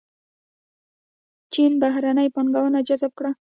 چین بهرنۍ پانګونه جذب کړه.